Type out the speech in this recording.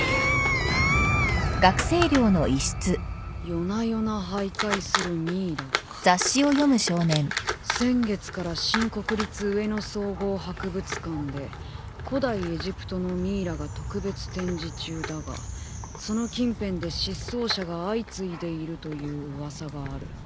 「夜な夜な徘徊するミイラ」「先月から新国立上野総合博物館で古代エジプトのミイラが特別展示中だがその近辺で失踪者が相次いでいるという噂がある」